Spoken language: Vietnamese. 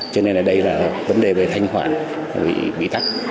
cho nên là đây là vấn đề về thanh khoản bị tắt